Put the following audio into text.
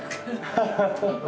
ハハハハ！